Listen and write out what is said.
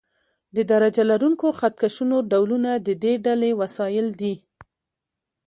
د درجه لرونکو خط کشونو ډولونه د دې ډلې وسایل دي.